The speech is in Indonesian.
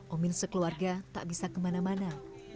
omin sekeluarga tak bisa kemana mana